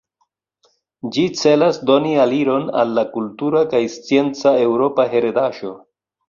Ĝi celas doni aliron al la kultura kaj scienca eŭropa heredaĵo.